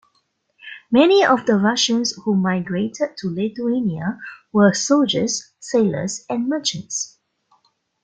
Many of the Russians who migrated to Lithuania were soldiers, sailors, and merchants.